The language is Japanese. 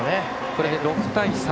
これで６対３。